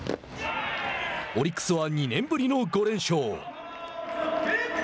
オリックスは２年ぶりの５連勝。